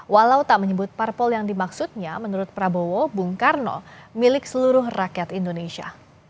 walau tak menyebut parpol yang dimaksudnya menurut prabowo bung karno milik seluruh rakyat indonesia